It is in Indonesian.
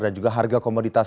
dan juga harga komoditas